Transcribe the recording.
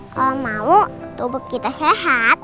kalau mau tubuh kita sehat